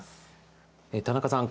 田中さん